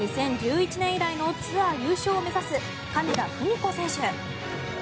２０１１年以来のツアー優勝を目指す金田久美子選手。